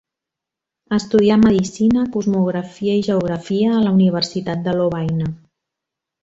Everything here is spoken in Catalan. Estudià medicina, cosmografia i geografia a la Universitat de Lovaina.